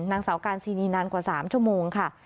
นางสาวการซีนีนานกว่า๓ชั่วโมงค่ะ